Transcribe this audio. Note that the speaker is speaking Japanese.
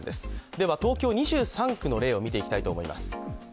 では東京２３区の例を見ていきたいと思います。